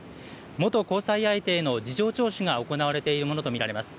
元交際相手への事情聴取が行われているものと見られます。